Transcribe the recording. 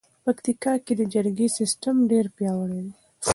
پکتیکا کې د جرګې سیستم ډېر پیاوړی دی.